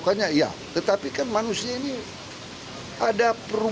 kementerian hukum dan ham menyatakan pemberian remisi adalah salah satu alat untuk mengurangi sesatuan